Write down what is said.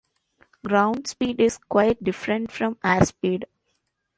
Ground speed is quite different from airspeed.